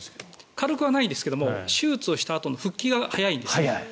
軽くはないんですが手術をしたあとの復帰が早いんです。